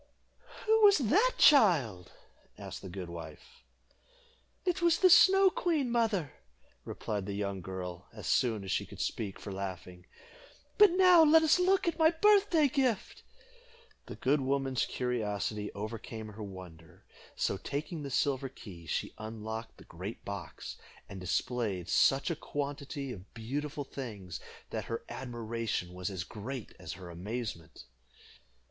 "Who was she, child?" asked the good wife. "It was the Snow Queen, mother," replied the young girl, as soon as she could speak for laughing. "But now let us look at my birthday gift." The good woman's curiosity overcame her wonder; so, taking the silver key, she unlocked the great box, and displayed such a quantity of beautiful things, that her admiration was as great as her amazement.